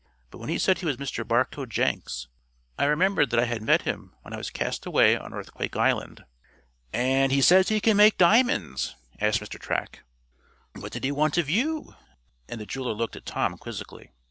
"But when he said he was Mr. Barcoe Jenks, I remembered that I had met him when I was cast away on Earthquake Island." "And he says he can make diamonds?" asked Mr. Track. "What did he want of you?" and the jeweler looked at Tom, quizzically.